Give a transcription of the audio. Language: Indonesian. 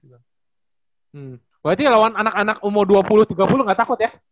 berarti lawan anak anak umur dua puluh tiga puluh gak takut ya